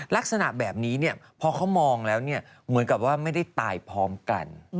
ลักษณะแบบนี้พอเขามองแล้วเหมือนกับว่าไม่ได้ตายพร้อมกัน